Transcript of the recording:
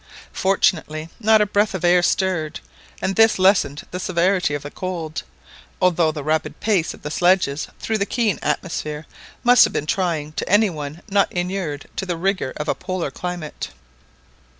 Fortunately not a breath of air stirred, and this lessened the severity of the cold, although the rapid pace of the sledges through the keen atmosphere must have been trying to any one not inured to the rigour of a Polar climate.